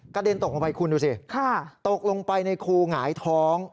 เด็นตกลงไปคุณดูสิตกลงไปในครูหงายท้อง